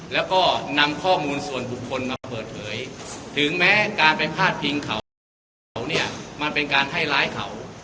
แล้วก็นำข้อมูลส่วนบุคคลมาเปิดเผยถึงแม้การไปพาดพิงเขาฆ่าเขาเนี่ยมันเป็นการให้ร้ายเขา